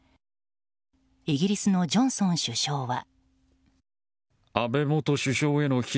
イギリスのジョンソン首相は。